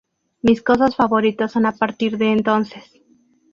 Mis cosas favoritas son a partir de entonces".